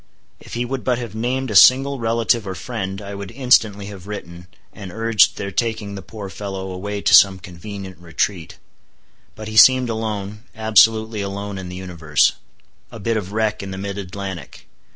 If he would but have named a single relative or friend, I would instantly have written, and urged their taking the poor fellow away to some convenient retreat. But he seemed alone, absolutely alone in the universe. A bit of wreck in the mid Atlantic.